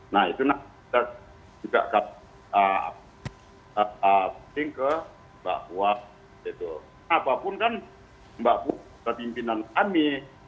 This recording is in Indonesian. nah itu kita juga ketinggalan bahwa apapun kan mbak puan kepimpinan kami